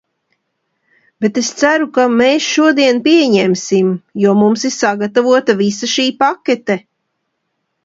Bet es ceru, ka mēs šodien pieņemsim, jo mums ir sagatavota visa šī pakete.